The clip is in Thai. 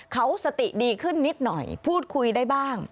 เขาสติดีขึ้นนิดหน่อยพูดคุยได้บ้าง